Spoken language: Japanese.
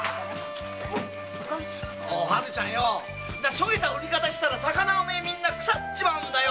しょげた売り方したら魚はみんな腐っちまうんだよ。